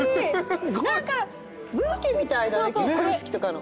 何かブーケみたいだね結婚式とかの。